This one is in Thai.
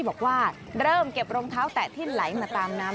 บอกว่าเริ่มเก็บรองเท้าแตะที่ไหลมาตามน้ำ